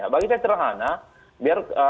bagi saya cerhana biar